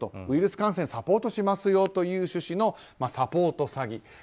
ウイルス感染サポートしますよという趣旨のサポート詐欺。